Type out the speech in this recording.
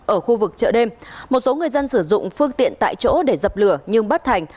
ở khu vực chợ đêm một số người dân sử dụng phương tiện tại chỗ để dập lửa nhưng bất thành